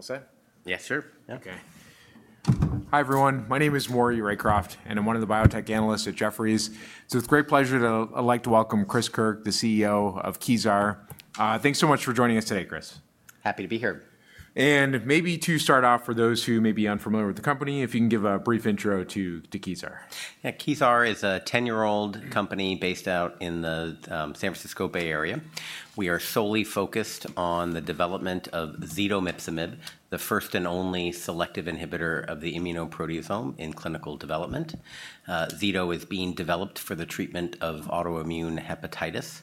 All set? Yes, sir. Okay. Hi everyone. My name is Maury Raycroft, and I'm one of the biotech analysts at Jefferies. It's with great pleasure that I'd like to welcome Chris Kirk, the CEO of Kezar. Thanks so much for joining us today, Chris. Happy to be here. Maybe to start off, for those who may be unfamiliar with the company, if you can give a brief intro to Kezar. Kezar is a 10-year-old company based out in the San Francisco Bay Area. We are solely focused on the development of zidomipzomib, the first and only selective inhibitor of the immunoproteasome in clinical development. Zido is being developed for the treatment of autoimmune hepatitis.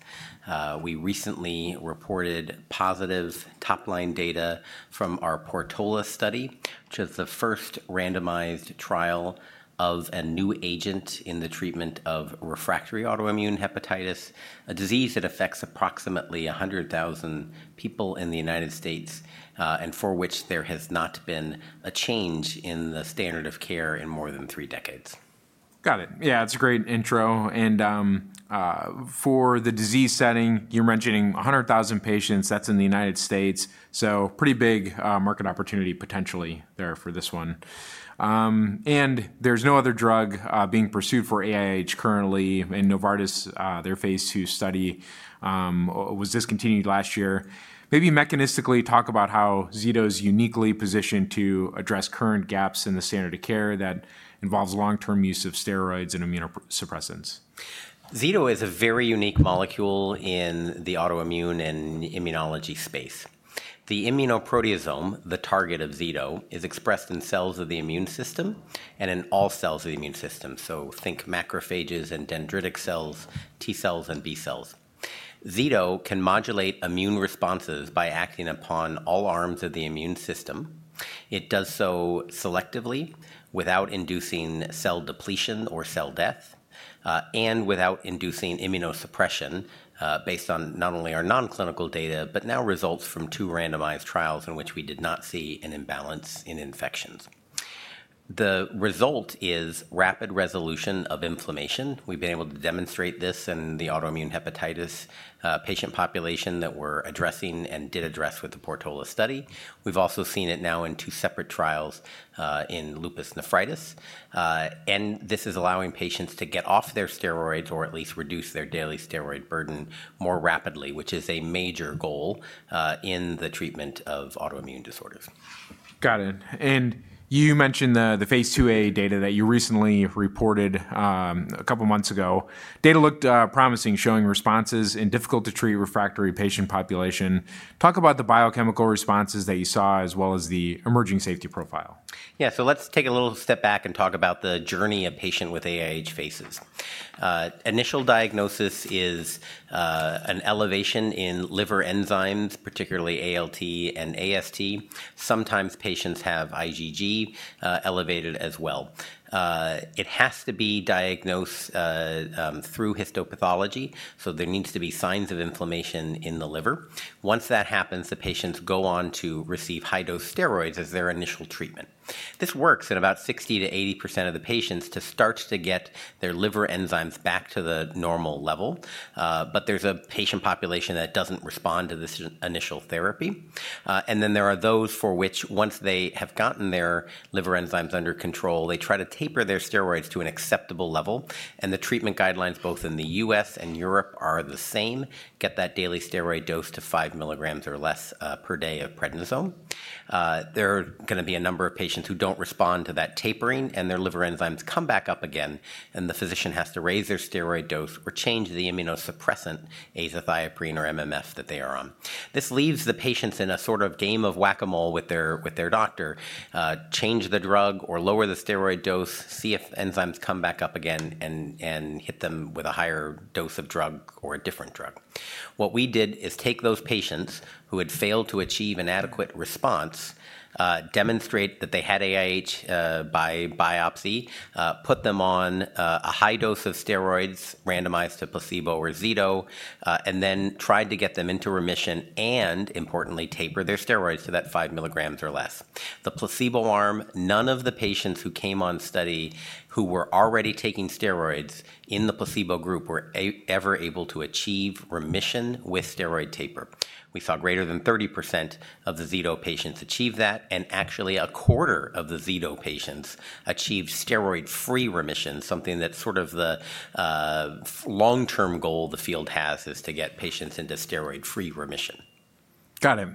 We recently reported positive top-line data from our Portola study, which is the first randomized trial of a new agent in the treatment of refractory autoimmune hepatitis, a disease that affects approximately 100,000 people in the U.S., and for which there has not been a change in the standard of care in more than three decades. Got it. Yeah, that's a great intro. For the disease setting, you're mentioning 100,000 patients. That's in the United States. Pretty big market opportunity potentially there for this one. There's no other drug being pursued for AIH currently. Novartis, their phase two study, was discontinued last year. Maybe mechanistically talk about how Zido is uniquely positioned to address current gaps in the standard of care that involves long-term use of steroids and immunosuppressants. Zido is a very unique molecule in the autoimmune and immunology space. The immunoproteasome, the target of Zido, is expressed in cells of the immune system and in all cells of the immune system. Think macrophages and dendritic cells, T cells, and B cells. Zido can modulate immune responses by acting upon all arms of the immune system. It does so selectively without inducing cell depletion or cell death, and without inducing immunosuppression based on not only our non-clinical data, but now results from two randomized trials in which we did not see an imbalance in infections. The result is rapid resolution of inflammation. We've been able to demonstrate this in the autoimmune hepatitis patient population that we're addressing and did address with the Portola study. We've also seen it now in two separate trials in lupus nephritis. This is allowing patients to get off their steroids or at least reduce their daily steroid burden more rapidly, which is a major goal in the treatment of autoimmune disorders. Got it. You mentioned the phase two A data that you recently reported a couple of months ago. Data looked promising, showing responses in difficult-to-treat refractory patient population. Talk about the biochemical responses that you saw, as well as the emerging safety profile. Yeah, so let's take a little step back and talk about the journey a patient with AIH faces. Initial diagnosis is an elevation in liver enzymes, particularly ALT and AST. Sometimes patients have IgG elevated as well. It has to be diagnosed through histopathology. There needs to be signs of inflammation in the liver. Once that happens, the patients go on to receive high-dose steroids as their initial treatment. This works in about 60%-80% of the patients to start to get their liver enzymes back to the normal level. There is a patient population that doesn't respond to this initial therapy. There are those for which, once they have gotten their liver enzymes under control, they try to taper their steroids to an acceptable level. The treatment guidelines, both in the U.S. and Europe, are the same: get that daily steroid dose to 5 milligrams or less per day of prednisone. There are going to be a number of patients who do not respond to that tapering, and their liver enzymes come back up again. The physician has to raise their steroid dose or change the immunosuppressant, azathioprine or mycophenolate mofetil, that they are on. This leaves the patients in a sort of game of whack-a-mole with their doctor: change the drug or lower the steroid dose, see if enzymes come back up again, and hit them with a higher dose of drug or a different drug. What we did is take those patients who had failed to achieve an adequate response, demonstrate that they had AIH by biopsy, put them on a high dose of steroids randomized to placebo or Zido, and then tried to get them into remission and, importantly, taper their steroids to that 5 milligrams or less. The placebo arm, none of the patients who came on study who were already taking steroids in the placebo group were ever able to achieve remission with steroid taper. We saw greater than 30% of the Zido patients achieve that. Actually, a quarter of the Zido patients achieved steroid-free remission, something that's sort of the long-term goal the field has is to get patients into steroid-free remission. Got it.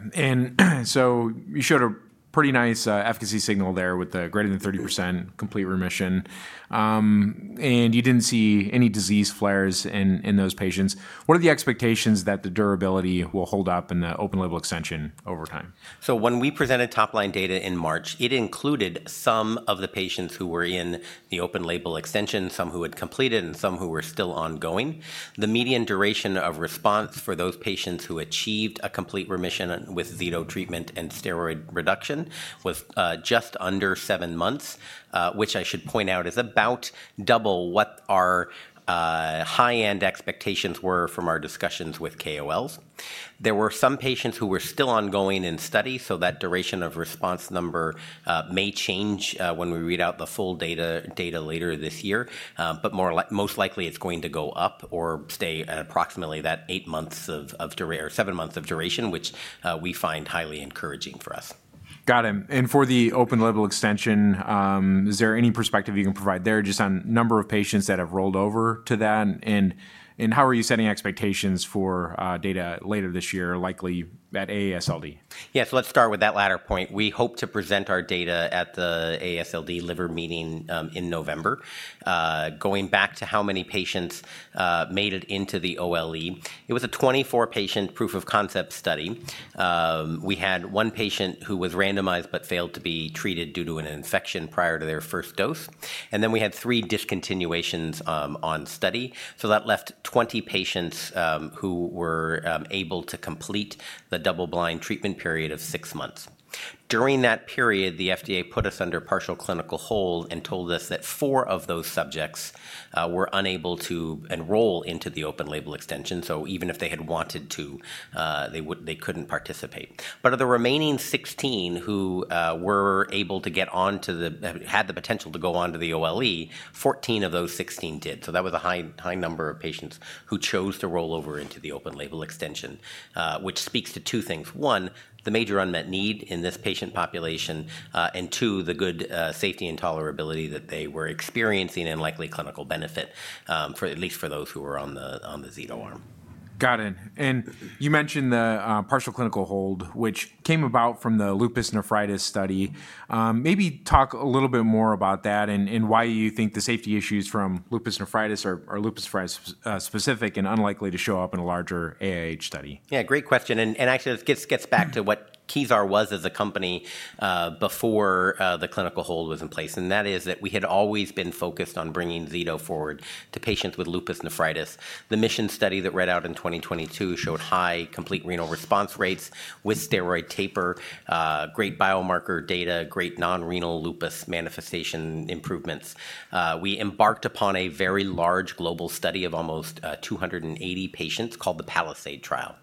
You showed a pretty nice efficacy signal there with the greater than 30% complete remission. You did not see any disease flares in those patients. What are the expectations that the durability will hold up in the open-label extension over time? When we presented top-line data in March, it included some of the patients who were in the open-label extension, some who had completed, and some who were still ongoing. The median duration of response for those patients who achieved a complete remission with Zido treatment and steroid reduction was just under seven months, which I should point out is about double what our high-end expectations were from our discussions with KOLs. There were some patients who were still ongoing in study, so that duration of response number may change when we read out the full data later this year. Most likely, it's going to go up or stay at approximately that eight months of duration or seven months of duration, which we find highly encouraging for us. Got it. For the open-label extension, is there any perspective you can provide there just on number of patients that have rolled over to that? How are you setting expectations for data later this year, likely at AASLD? Yes, let's start with that latter point. We hope to present our data at the AASLD liver meeting in November. Going back to how many patients made it into the OLE, it was a 24-patient proof of concept study. We had one patient who was randomized but failed to be treated due to an infection prior to their first dose. We had three discontinuations on study. That left 20 patients who were able to complete the double-blind treatment period of six months. During that period, the FDA put us under partial clinical hold and told us that four of those subjects were unable to enroll into the open-label extension. Even if they had wanted to, they could not participate. Of the remaining 16 who had the potential to go on to the OLE, 14 of those 16 did. That was a high number of patients who chose to roll over into the open-label extension, which speaks to two things. One, the major unmet need in this patient population. Two, the good safety and tolerability that they were experiencing and likely clinical benefit, at least for those who were on the Zido arm. Got it. You mentioned the partial clinical hold, which came about from the lupus nephritis study. Maybe talk a little bit more about that and why you think the safety issues from lupus nephritis are lupus nephritis specific and unlikely to show up in a larger AIH study. Yeah, great question. Actually, this gets back to what Kezar was as a company before the clinical hold was in place. That is that we had always been focused on bringing Zido forward to patients with lupus nephritis. The Mission study that read out in 2022 showed high complete renal response rates with steroid taper, great biomarker data, great non-renal lupus manifestation improvements. We embarked upon a very large global study of almost 280 patients called the Palisade trial.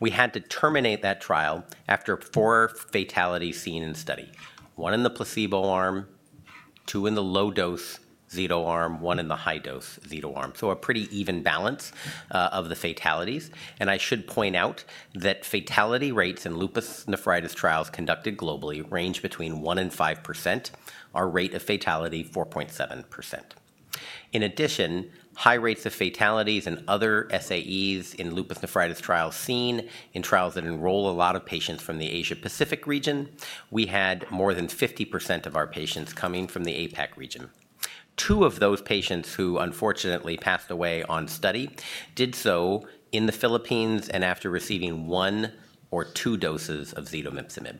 We had to terminate that trial after four fatalities seen in study: one in the placebo arm, two in the low-dose Zido arm, one in the high-dose Zido arm. A pretty even balance of the fatalities. I should point out that fatality rates in lupus nephritis trials conducted globally range between 1% and 5%. Our rate of fatality, 4.7%. In addition, high rates of fatalities and other SAEs in lupus nephritis trials are seen in trials that enroll a lot of patients from the Asia-Pacific region. We had more than 50% of our patients coming from the APAC region. Two of those patients who unfortunately passed away on study did so in the Philippines and after receiving one or two doses of zidomipzomib.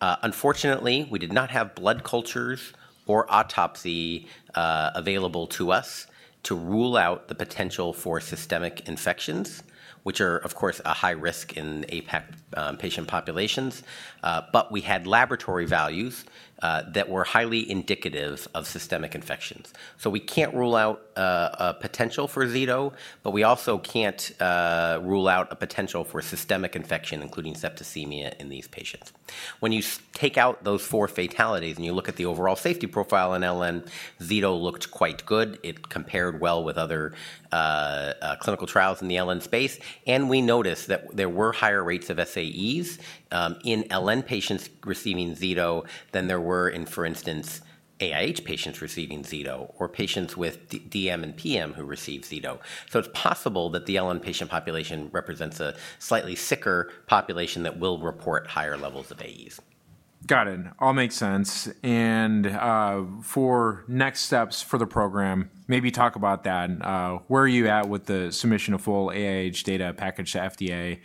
Unfortunately, we did not have blood cultures or autopsy available to us to rule out the potential for systemic infections, which are, of course, a high risk in APAC patient populations. We had laboratory values that were highly indicative of systemic infections. We cannot rule out a potential for Zido, but we also cannot rule out a potential for systemic infection, including septicemia, in these patients. When you take out those four fatalities and you look at the overall safety profile in LN, Zido looked quite good. It compared well with other clinical trials in the LN space. We noticed that there were higher rates of SAEs in LN patients receiving Zido than there were in, for instance, AIH patients receiving Zido or patients with DM and PM who received Zido. It is possible that the LN patient population represents a slightly sicker population that will report higher levels of AEs. Got it. All makes sense. For next steps for the program, maybe talk about that. Where are you at with the submission of full AIH data package to FDA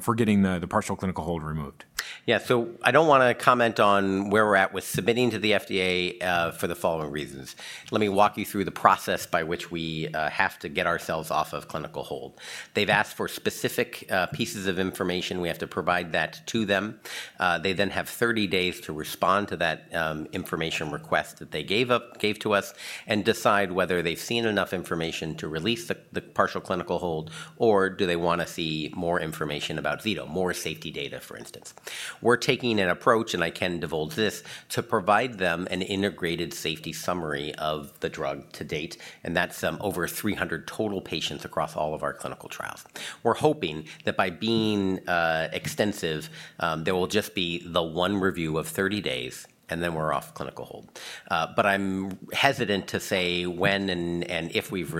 for getting the partial clinical hold removed? Yeah, so I don't want to comment on where we're at with submitting to the FDA for the following reasons. Let me walk you through the process by which we have to get ourselves off of clinical hold. They've asked for specific pieces of information. We have to provide that to them. They then have 30 days to respond to that information request that they gave to us and decide whether they've seen enough information to release the partial clinical hold or do they want to see more information about Zido, more safety data, for instance. We're taking an approach, and I can divulge this, to provide them an integrated safety summary of the drug to date. And that's over 300 total patients across all of our clinical trials. We're hoping that by being extensive, there will just be the one review of 30 days, and then we're off clinical hold. I am hesitant to say when and if we've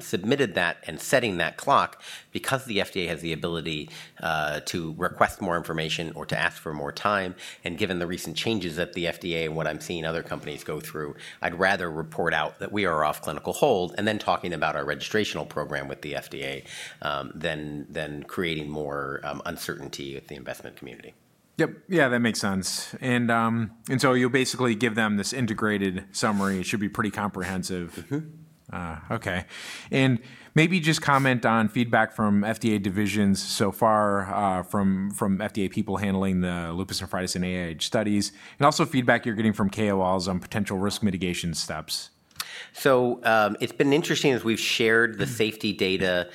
submitted that and setting that clock, because the FDA has the ability to request more information or to ask for more time. Given the recent changes at the FDA and what I'm seeing other companies go through, I'd rather report out that we are off clinical hold and then talking about our registrational program with the FDA than creating more uncertainty with the investment community. Yep. Yeah, that makes sense. You'll basically give them this integrated summary. It should be pretty comprehensive. Okay. Maybe just comment on feedback from FDA divisions so far from FDA people handling the lupus nephritis and AIH studies and also feedback you're getting from KOLs on potential risk mitigation steps? It's been interesting as we've shared the safety data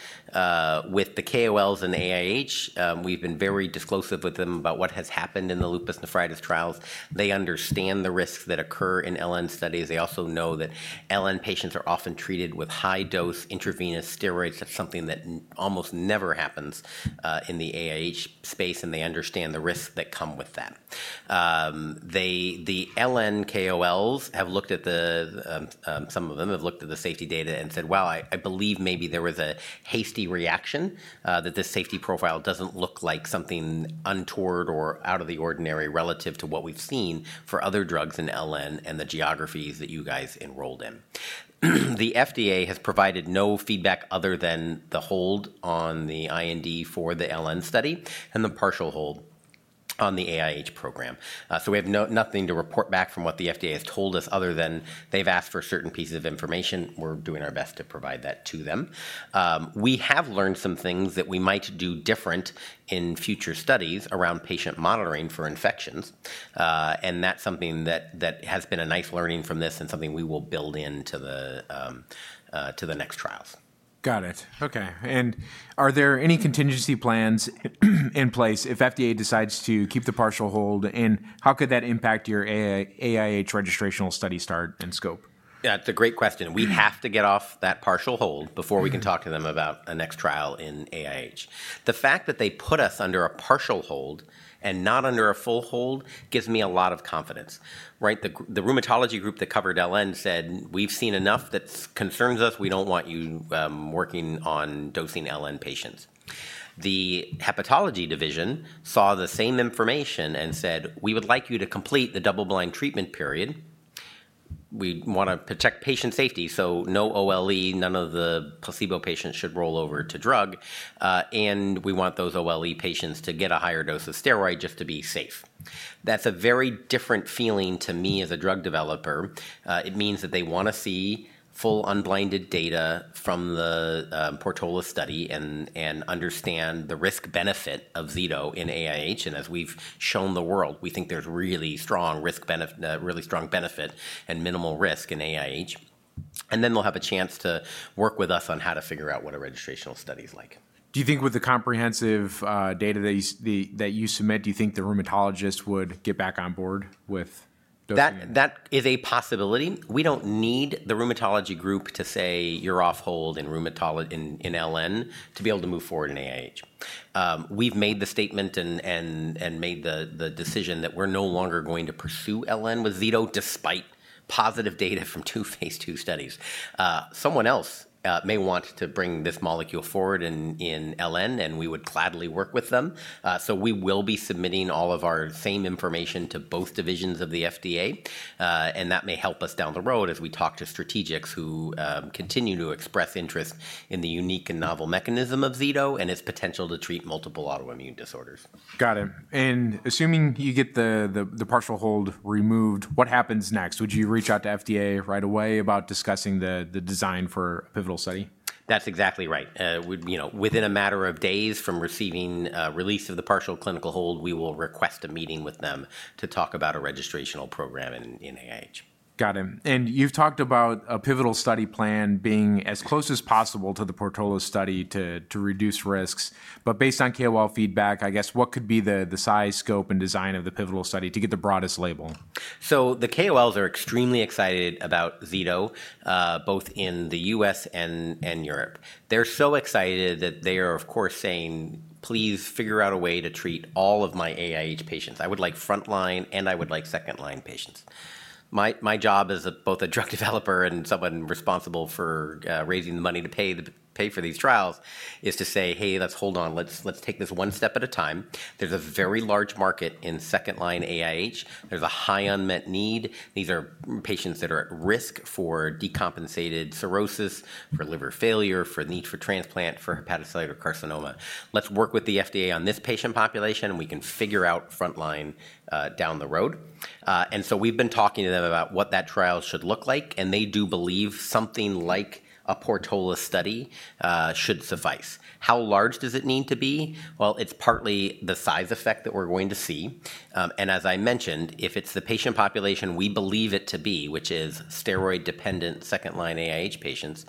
with the KOLs and the AIH. We've been very disclosive with them about what has happened in the lupus nephritis trials. They understand the risks that occur in LN studies. They also know that LN patients are often treated with high-dose intravenous steroids. That's something that almost never happens in the AIH space. They understand the risks that come with that. The LN KOLs have looked at the, some of them have looked at the safety data and said, "Wow, I believe maybe there was a hasty reaction, that this safety profile doesn't look like something untoward or out of the ordinary relative to what we've seen for other drugs in LN and the geographies that you guys enrolled in." The FDA has provided no feedback other than the hold on the IND for the LN study and the partial hold on the AIH program. We have nothing to report back from what the FDA has told us other than they've asked for certain pieces of information. We're doing our best to provide that to them. We have learned some things that we might do different in future studies around patient monitoring for infections. That is something that has been a nice learning from this and something we will build into the next trials. Got it. Okay. Are there any contingency plans in place if FDA decides to keep the partial hold? How could that impact your AIH registrational study start and scope? Yeah, that's a great question. We have to get off that partial hold before we can talk to them about a next trial in AIH. The fact that they put us under a partial hold and not under a full hold gives me a lot of confidence. The rheumatology group that covered LN said, "We've seen enough that concerns us. We don't want you working on dosing LN patients." The hepatology division saw the same information and said, "We would like you to complete the double-blind treatment period. We want to protect patient safety. No OLE, none of the placebo patients should roll over to drug. We want those OLE patients to get a higher dose of steroid just to be safe." That's a very different feeling to me as a drug developer. It means that they want to see full unblinded data from the Portola study and understand the risk-benefit of Zido in AIH. As we've shown the world, we think there's really strong benefit and minimal risk in AIH. Then they'll have a chance to work with us on how to figure out what a registrational study is like. Do you think with the comprehensive data that you submit, do you think the rheumatologist would get back on board with dosing? That is a possibility. We don't need the rheumatology group to say, "You're off hold in LN," to be able to move forward in AIH. We've made the statement and made the decision that we're no longer going to pursue LN with Zido despite positive data from two phase 2 studies. Someone else may want to bring this molecule forward in LN, and we would gladly work with them. We will be submitting all of our same information to both divisions of the FDA. That may help us down the road as we talk to strategics who continue to express interest in the unique and novel mechanism of Zido and its potential to treat multiple autoimmune disorders. Got it. Assuming you get the partial hold removed, what happens next? Would you reach out to FDA right away about discussing the design for a pivotal study? That's exactly right. Within a matter of days from receiving release of the partial clinical hold, we will request a meeting with them to talk about a registrational program in AIH. Got it. You have talked about a pivotal study plan being as close as possible to the Portola study to reduce risks. Based on KOL feedback, I guess what could be the size, scope, and design of the pivotal study to get the broadest label? The KOLs are extremely excited about Zido, both in the U.S. and Europe. They're so excited that they are, of course, saying, "Please figure out a way to treat all of my AIH patients. I would like frontline, and I would like second-line patients." My job as both a drug developer and someone responsible for raising the money to pay for these trials is to say, "Hey, let's hold on. Let's take this one step at a time." There's a very large market in second-line AIH. There's a high unmet need. These are patients that are at risk for decompensated cirrhosis, for liver failure, for need for transplant, for hepatocellular carcinoma. Let's work with the FDA on this patient population, and we can figure out frontline down the road. We have been talking to them about what that trial should look like. They do believe something like a Portola study should suffice. How large does it need to be? It is partly the size effect that we are going to see. As I mentioned, if it is the patient population we believe it to be, which is steroid-dependent second-line AIH patients,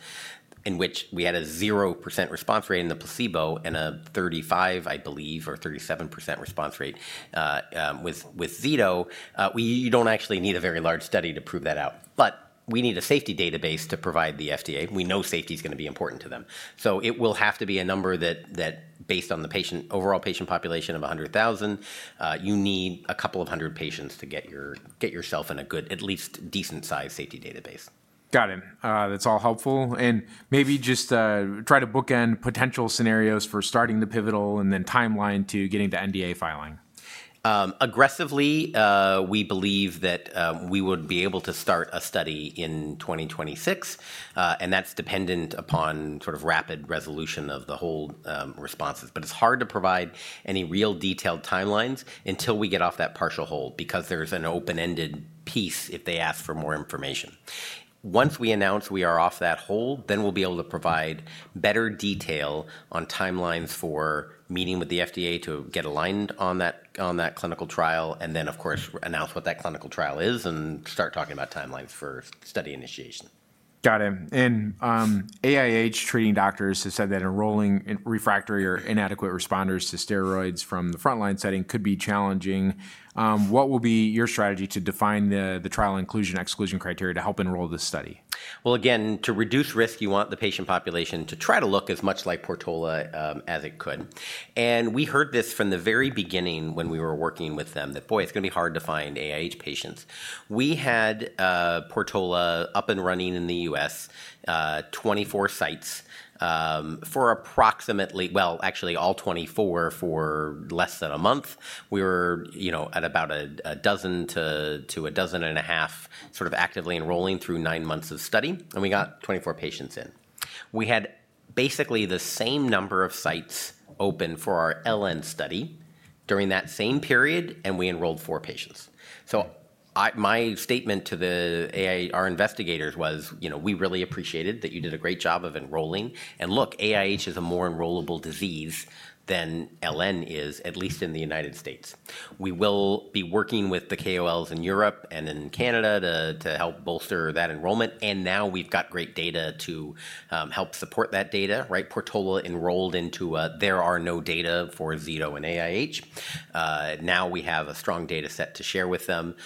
in which we had a 0% response rate in the placebo and a 35%, I believe, or 37% response rate with Zido, you do not actually need a very large study to prove that out. We need a safety database to provide the FDA. We know safety is going to be important to them. It will have to be a number that, based on the overall patient population of 100,000, you need a couple of hundred patients to get yourself in a good, at least decent-sized safety database. Got it. That's all helpful. Maybe just try to bookend potential scenarios for starting the pivotal and then timeline to getting the NDA filing. Aggressively, we believe that we would be able to start a study in 2026. That is dependent upon sort of rapid resolution of the hold responses. It is hard to provide any real detailed timelines until we get off that partial hold because there is an open-ended piece if they ask for more information. Once we announce we are off that hold, we will be able to provide better detail on timelines for meeting with the FDA to get aligned on that clinical trial and then, of course, announce what that clinical trial is and start talking about timelines for study initiation. Got it. AIH treating doctors have said that enrolling refractory or inadequate responders to steroids from the frontline setting could be challenging. What will be your strategy to define the trial inclusion/exclusion criteria to help enroll this study? To reduce risk, you want the patient population to try to look as much like Portola as it could. We heard this from the very beginning when we were working with them that, boy, it's going to be hard to find AIH patients. We had Portola up and running in the U.S., 24 sites for approximately, well, actually all 24 for less than a month. We were at about a dozen to a dozen and a half sort of actively enrolling through nine months of study. We got 24 patients in. We had basically the same number of sites open for our LN study during that same period, and we enrolled four patients. My statement to our investigators was, "We really appreciated that you did a great job of enrolling. Look, AIH is a more enrollable disease than LN is, at least in the United States. We will be working with the KOLs in Europe and in Canada to help bolster that enrollment. Now we've got great data to help support that data. Portola enrolled into a "There are no data for Zido and AIH." Now we have a strong data set to share with them.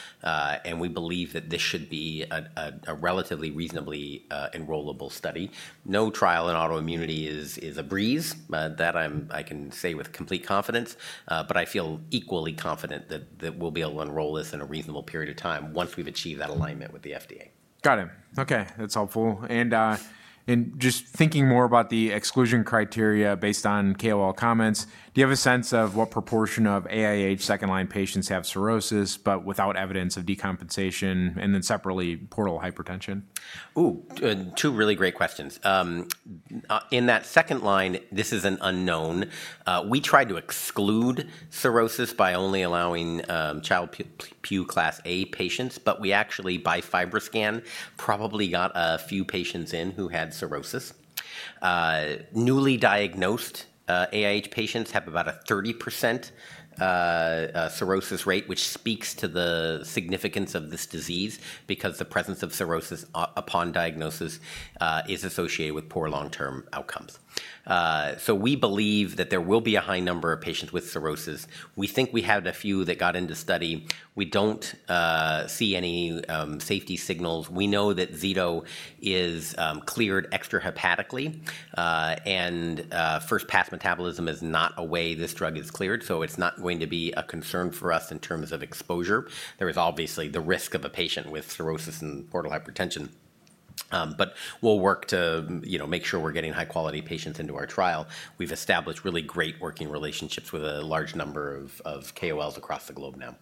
We believe that this should be a relatively reasonably enrollable study. No trial in autoimmunity is a breeze, that I can say with complete confidence. I feel equally confident that we'll be able to enroll this in a reasonable period of time once we've achieved that alignment with the FDA. Got it. Okay. That's helpful. Just thinking more about the exclusion criteria based on KOL comments, do you have a sense of what proportion of AIH second-line patients have cirrhosis but without evidence of decompensation and then separately portal hypertension? Ooh, two really great questions. In that second line, this is an unknown. We tried to exclude cirrhosis by only allowing Child-Pugh class A patients. But we actually, by FibroScan, probably got a few patients in who had cirrhosis. Newly diagnosed AIH patients have about a 30% cirrhosis rate, which speaks to the significance of this disease because the presence of cirrhosis upon diagnosis is associated with poor long-term outcomes. We believe that there will be a high number of patients with cirrhosis. We think we had a few that got into study. We do not see any safety signals. We know that Zido is cleared extrahepatically. First-pass metabolism is not a way this drug is cleared. It is not going to be a concern for us in terms of exposure. There is obviously the risk of a patient with cirrhosis and portal hypertension. We'll work to make sure we're getting high-quality patients into our trial. We've established really great working relationships with a large number of KOLs across the globe now.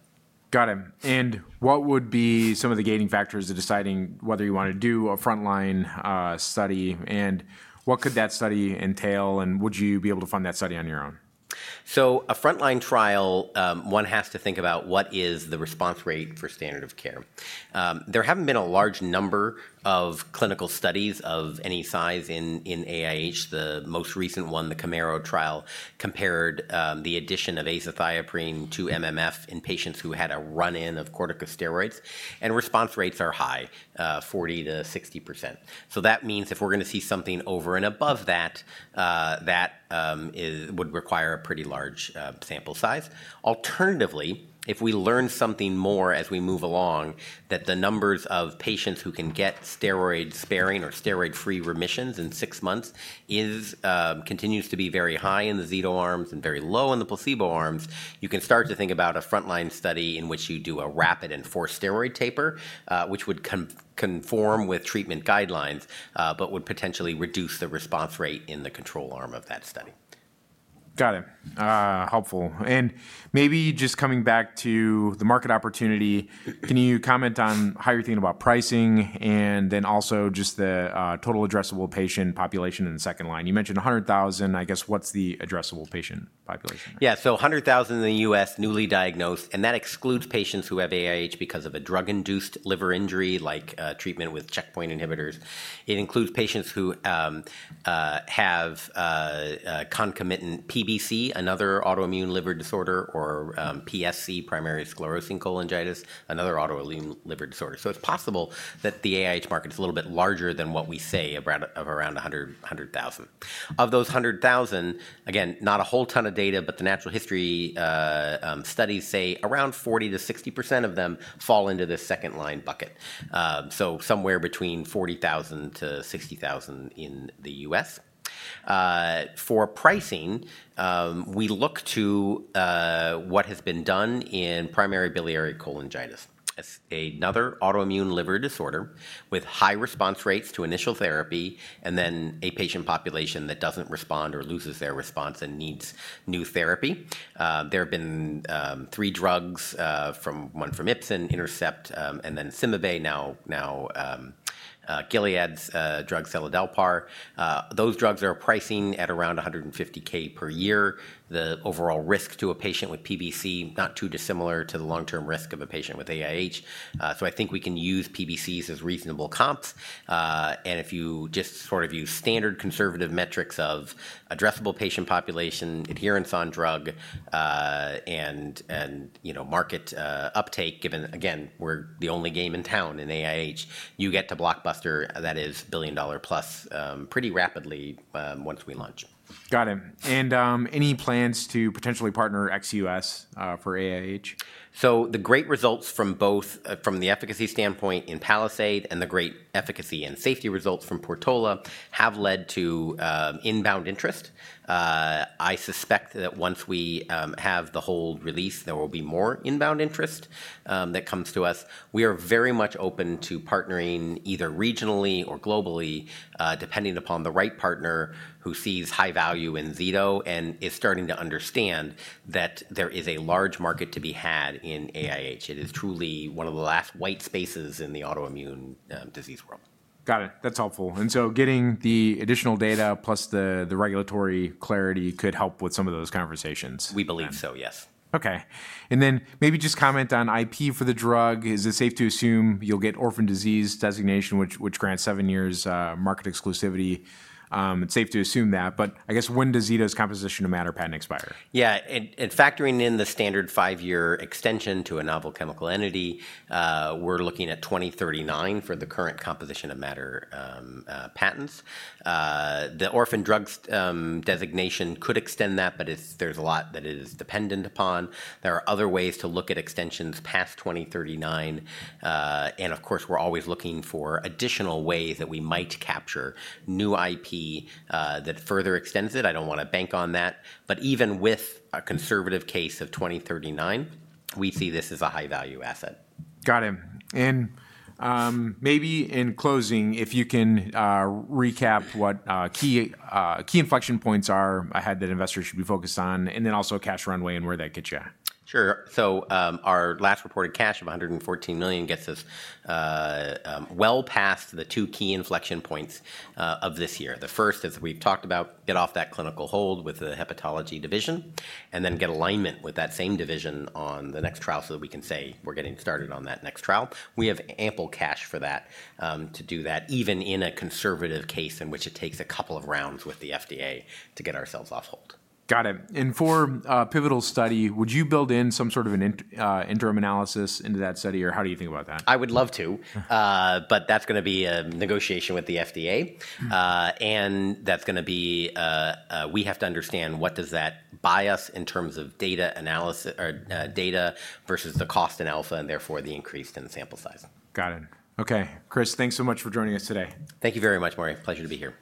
Got it. What would be some of the gating factors to deciding whether you want to do a frontline study? What could that study entail? Would you be able to fund that study on your own? A frontline trial, one has to think about what is the response rate for standard of care. There have not been a large number of clinical studies of any size in AIH. The most recent one, the Camaro trial, compared the addition of azathioprine to MMF in patients who had a run-in of corticosteroids. Response rates are high, 40%-60%. That means if we are going to see something over and above that, that would require a pretty large sample size. Alternatively, if we learn something more as we move along that the numbers of patients who can get steroid-sparing or steroid-free remissions in six months continues to be very high in the Zido arms and very low in the placebo arms, you can start to think about a frontline study in which you do a rapid and forced steroid taper, which would conform with treatment guidelines but would potentially reduce the response rate in the control arm of that study. Got it. Helpful. Maybe just coming back to the market opportunity, can you comment on how you're thinking about pricing and then also just the total addressable patient population in the second line? You mentioned 100,000. I guess what's the addressable patient population? Yeah. 100,000 in the U.S., newly diagnosed. That excludes patients who have AIH because of a drug-induced liver injury like treatment with checkpoint inhibitors. It includes patients who have concomitant PBC, another autoimmune liver disorder, or PSC, primary sclerosing cholangitis, another autoimmune liver disorder. It's possible that the AIH market is a little bit larger than what we say of around 100,000. Of those 100,000, again, not a whole ton of data, but the natural history studies say around 40%-60% of them fall into this second-line bucket. Somewhere between 40,000-60,000 in the U.S. For pricing, we look to what has been done in primary biliary cholangitis. It's another autoimmune liver disorder with high response rates to initial therapy and then a patient population that doesn't respond or loses their response and needs new therapy. There have been three drugs, one from Ipsen, Intercept, and then Seladelpar, now Gilead's drug, Seladelpar. Those drugs are pricing at around $150,000 per year. The overall risk to a patient with PBC, not too dissimilar to the long-term risk of a patient with AIH. I think we can use PBCs as reasonable comps. If you just sort of use standard conservative metrics of addressable patient population, adherence on drug, and market uptake, given, again, we're the only game in town in AIH, you get to blockbuster that is billion-dollar-plus pretty rapidly once we launch. Got it. Any plans to potentially partner XUS for AIH? The great results from both from the efficacy standpoint in Palisade and the great efficacy and safety results from Portola have led to inbound interest. I suspect that once we have the hold release, there will be more inbound interest that comes to us. We are very much open to partnering either regionally or globally, depending upon the right partner who sees high value in Zido and is starting to understand that there is a large market to be had in AIH. It is truly one of the last white spaces in the autoimmune disease world. Got it. That's helpful. Getting the additional data plus the regulatory clarity could help with some of those conversations. We believe so, yes. Okay. And then maybe just comment on IP for the drug. Is it safe to assume you'll get orphan disease designation, which grants seven years market exclusivity? It's safe to assume that. I guess when does Zido's composition of matter patent expire? Yeah. Factoring in the standard five-year extension to a novel chemical entity, we're looking at 2039 for the current composition of matter patents. The orphan drug designation could extend that, but there's a lot that is dependent upon. There are other ways to look at extensions past 2039. Of course, we're always looking for additional ways that we might capture new IP that further extends it. I don't want to bank on that. Even with a conservative case of 2039, we see this as a high-value asset. Got it. Maybe in closing, if you can recap what key inflection points are ahead that investors should be focused on and then also cash runway and where that gets you? Sure. Our last reported cash of $114 million gets us well past the two key inflection points of this year. The first, as we've talked about, is to get off that clinical hold with the hepatology division and then get alignment with that same division on the next trial so that we can say we're getting started on that next trial. We have ample cash for that, to do that, even in a conservative case in which it takes a couple of rounds with the FDA to get ourselves off hold. Got it. For a pivotal study, would you build in some sort of an interim analysis into that study? Or how do you think about that? I would love to. That is going to be a negotiation with the FDA. That is going to be we have to understand what does that buy us in terms of data analysis or data versus the cost in alpha and therefore the increase in sample size. Got it. Okay. Chris, thanks so much for joining us today. Thank you very much, Maury. Pleasure to be here.